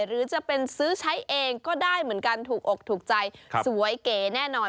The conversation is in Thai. หรือจะเป็นซื้อใช้เองก็ได้เหมือนกันถูกอกถูกใจสวยเก๋แน่นอน